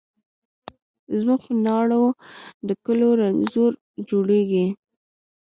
زموږ په ناړو د کلو رنځور جوړیږي